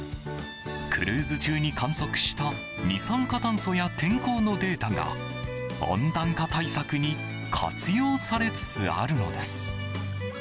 クルーズ中に観測した二酸化炭素や天候のデータが温暖化対策に活用されつつあるのです。